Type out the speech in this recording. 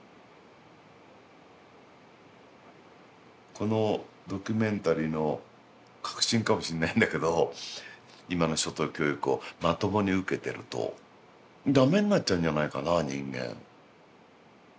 このドキュメンタリーの核心かもしんないんだけど今の初等教育をまともに受けてると駄目になっちゃうんじゃないかな人間。